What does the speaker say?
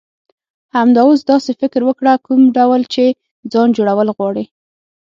همدا اوس داسی فکر وکړه، کوم ډول چی ځان جوړول غواړی.